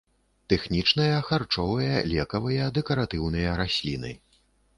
Тэхнічныя, харчовыя, лекавыя, дэкаратыўныя расліны.